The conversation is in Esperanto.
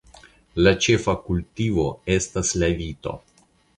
La ĉefa kultivo estas la vito.